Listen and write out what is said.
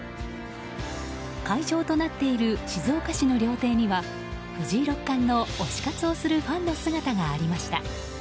会場となっている静岡市の料亭には藤井六冠の推し活をするファンの姿がありました。